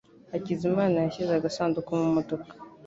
hakizamana yashyize agasanduku mu modoka.